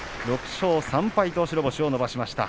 ６勝３敗と白星を伸ばしました。